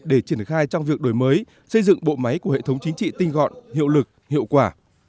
để triển khai trong việc đổi mới xây dựng bộ máy của hệ thống chính trị tinh gọn hiệu lực hiệu quả